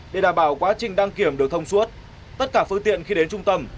để đảm bảo quá trình đăng kiểm được thông suốt tất cả phương tiện khi đến trung tâm